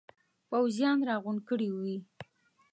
پوځیان را غونډ کړي وي.